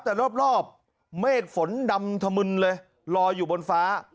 แต่รอบเมฆฝนดำถมึนเลยลอยอยู่บนฟ้า